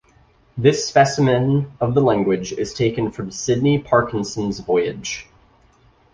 This specimen of the language is taken from Sidney Parkinson's Voyage.